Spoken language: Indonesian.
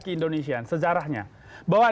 keindonesian sejarahnya bahwa